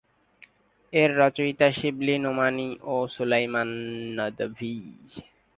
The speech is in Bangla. এর রচয়িতা শিবলী নোমানী ও সুলাইমান নদভী।